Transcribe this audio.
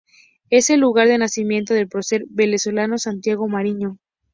Es el lugar de nacimiento del prócer venezolano Santiago Mariño.